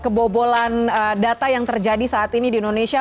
kebobolan data yang terjadi saat ini di indonesia